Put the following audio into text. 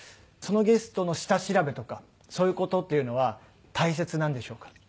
そのゲストの下調べとかそういう事っていうのは大切なんでしょうか？